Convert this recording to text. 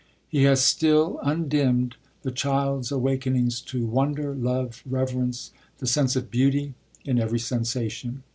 He has still, undimmed, the child's awakenings to wonder, love, reverence, the sense of beauty in every sensation.